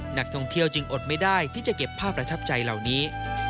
นักท่องเที่ยวจึงอดไม่ได้ที่จะเก็บภาพประทับใจเหล่านี้